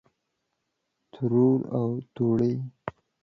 ترور او توړۍ